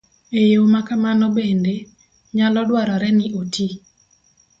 E yo ma kamano bende, nyalo dwarore ni oti